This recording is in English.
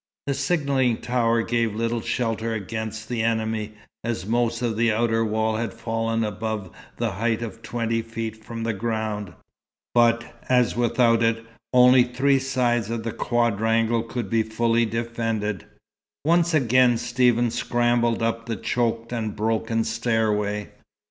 The signalling tower gave little shelter against the enemy, as most of the outer wall had fallen above the height of twenty feet from the ground; but, as without it only three sides of the quadrangle could be fully defended, once again Stephen scrambled up the choked and broken stairway.